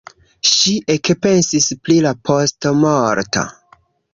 Ŝi ekpensis pri la postmorto.